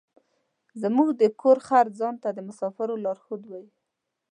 زموږ د کور خر ځان ته د مسافرو لارښود وايي.